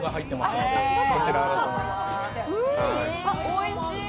おいしい。